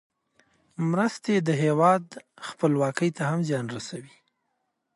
مرستې د یو هېواد خپلواکۍ ته هم زیان رسوي.